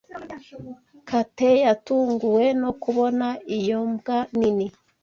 Kate yatunguwe no kubona iyo mbwa nini.